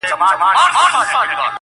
زما خوله كي شپېلۍ اشنا.